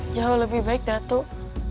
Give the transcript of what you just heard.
jauh lebih baik datuk